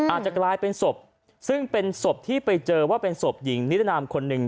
อาจจะกลายเป็นศพซึ่งเป็นศพที่ไปเจอว่าเป็นศพหญิงนิรนามคนหนึ่ง